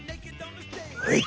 はい！